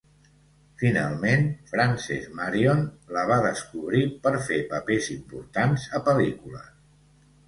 Finalment, Frances Marion la va descobrir per fer papers importants a pel·lícules.